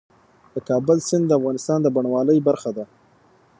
د کابل سیند د افغانستان د بڼوالۍ برخه ده.